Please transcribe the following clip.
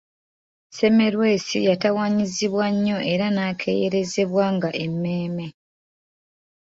Semmelwesi yatawaanyizibwa nnyo era n’akeeyerezebwanga emmeeme